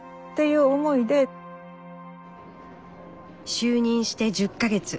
就任して１０か月。